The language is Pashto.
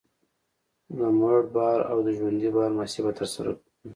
د مړ بار او ژوندي بار محاسبه ترسره کوو